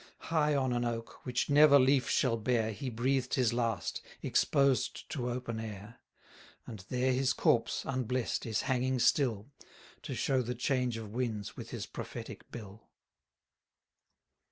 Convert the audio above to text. High on an oak, which never leaf shall bear, He breathed his last, exposed to open air; And there his corpse, unbless'd, is hanging still, To show the change of winds with his prophetic bill.